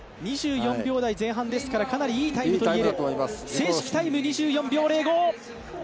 ２４秒台前半ですから、かなりいいタイムといえる、正式タイム、２４秒０５。